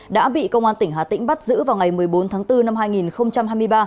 đã bị công an tỉnh hà tĩnh bắt giữ vào ngày một mươi bốn tháng bốn năm hai nghìn hai mươi ba